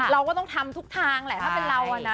เราก็ต้องทำทุกทางแหละถ้าเป็นเราอะนะ